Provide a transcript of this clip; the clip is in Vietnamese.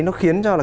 nó khiến cho là